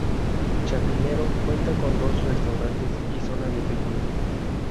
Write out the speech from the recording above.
Chapinero cuenta con dos restaurantes y zona de picnic.